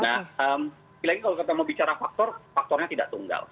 nah lagi lagi kalau kita mau bicara faktor faktornya tidak tunggal